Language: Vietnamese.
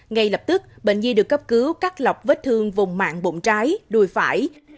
ngay lập tức bệnh nhi được cấp cứu cắt lọc vết thương vùng mạng bụng trái đùi phải